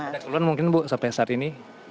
ada keluhan mungkin bu sampai saat ini